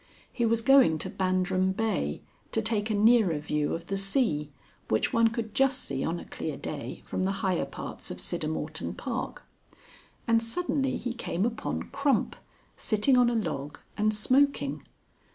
He was going to Bandram Bay to take a nearer view of the sea, which one could just see on a clear day from the higher parts of Siddermorton Park. And suddenly he came upon Crump sitting on a log and smoking.